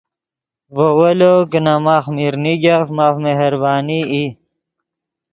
ڤے ویلو کہ نے ماخ میر نیگف ماف مہربانی ای